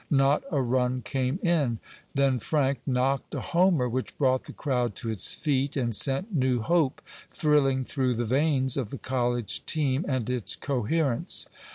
Not a run came in. Then Frank knocked a homer which brought the crowd to its feet and sent new hope thrilling through the veins of the college team and its coherents.